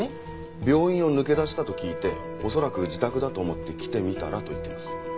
病院を抜け出したと聞いて恐らく自宅だと思って来てみたらと言ってます。